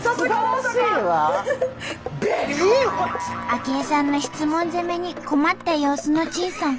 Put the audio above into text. あき恵さんの質問攻めに困った様子のチンさん。